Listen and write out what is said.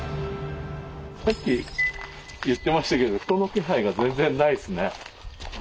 さっき言ってましたけど人の気配が全然ないですね。